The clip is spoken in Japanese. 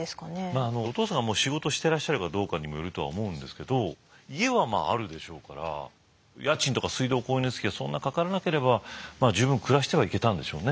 まあお父さんが仕事してらっしゃるかどうかにもよるとは思うんですけど家はあるでしょうから家賃とか水道光熱費はそんなかからなければ十分暮らしてはいけたんでしょうね。